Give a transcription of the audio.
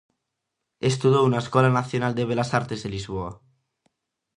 Estudou na Escola Nacional de Belas-Artes de Lisboa.